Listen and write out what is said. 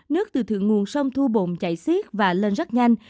nước từ thượng nguồn sông thu bồn chạy xiết và lên rất nhanh